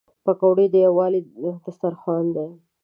پکورې د یووالي دسترخوان دي